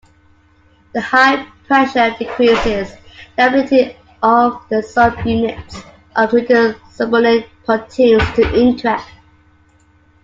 The high pressure decreases the ability of the sub-units of multi-subunit proteins to interact.